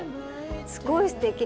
すごいすてき。